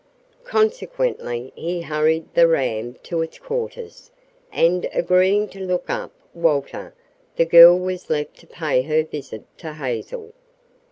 Consequently he hurried the ram to its quarters, and, agreeing to look up Walter, the girl was left to pay her visit to Hazel.